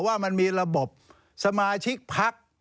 ว่ามันมีระบบสมาชิกพัก